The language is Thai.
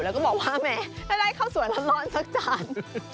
แล้วก็บอกว่าแหมถ้าได้ข้าวสวยร้อนสักจาน